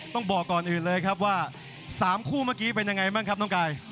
ต้องบอกก่อนอื่นเลยครับว่า๓คู่เมื่อกี้เป็นยังไงบ้างครับน้องกาย